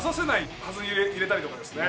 はずに入れたりとかですね。